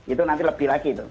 itu nanti lebih lagi itu